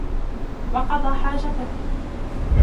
وَقَضَى حَاجَتَهُ